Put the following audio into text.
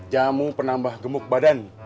jamu penambah gemuk badan